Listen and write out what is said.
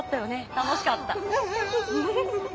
楽しかった。